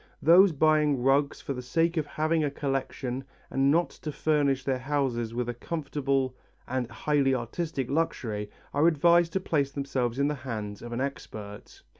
Those buying rugs for the sake of having a collection and not to furnish their houses with a comfortable and highly artistic luxury are advised to place themselves in the hands of an expert.